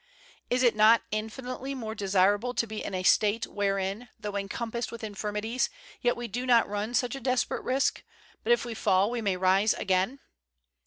Is it not infinitely more desirable to be in a state wherein, tho encompassed with infirmities, yet we do not run such a desperate risk, but if we fall we may rise again?